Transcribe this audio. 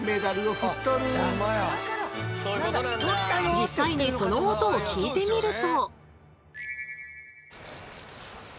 実際にその音を聞いてみると。